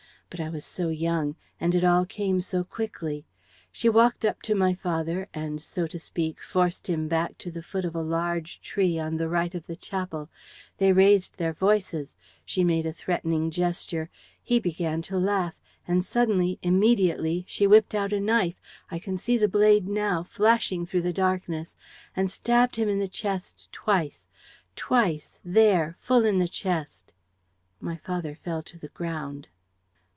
But I was so young! And it all came so quickly! ... She walked up to my father and, so to speak, forced him back to the foot of a large tree, on the right of the chapel. They raised their voices. She made a threatening gesture. He began to laugh. And suddenly, immediately, she whipped out a knife I can see the blade now, flashing through the darkness and stabbed him in the chest, twice ... twice, there, full in the chest. My father fell to the ground."